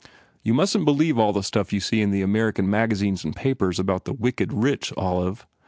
You mustn t believe all the stuff you see in the American mag azines and papers about the wicked rich, Olive.